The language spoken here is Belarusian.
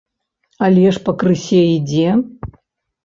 Але ж пакрысе ідзе!